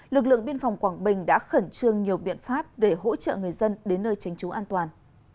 lực lượng biên phòng quảng bình đã khẩn trương nhiều biện pháp để hỗ trợ người dân đến nơi tránh trú an toàn